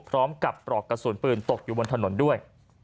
ปลอกกระสุนปืนตกอยู่บนถนนด้วย